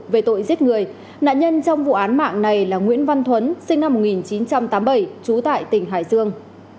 về tội giết người nạn nhân trong vụ án mạng này là nguyễn văn thuấn sinh năm một nghìn chín trăm tám mươi bảy trú tại tỉnh hải dương